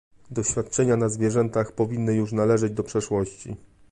Doświadczenia na zwierzętach powinny już należeć do przeszłości